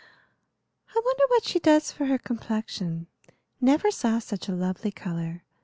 "I wonder what she does for her complexion. Never saw such a lovely color.